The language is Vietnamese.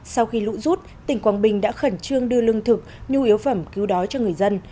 sau khi lũ rút tỉnh quảng bình đã khẩn trương đưa lương thực nhu yếu phẩm cứu đói cho người dân